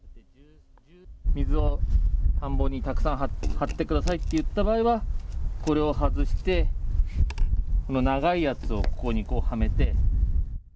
水を田んぼにたくさん張ってくださいといった場合はこれを外して長いやつをここにこうはめて。